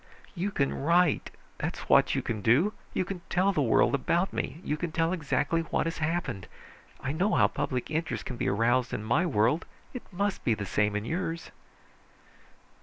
"You can write! That's what you can do. You can tell the world about me, you can tell exactly what has happened. I know how public interest can be aroused in my world. It must be the same in yours."